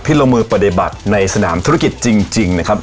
ลงมือปฏิบัติในสนามธุรกิจจริงนะครับ